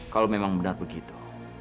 kalau memang benar begitu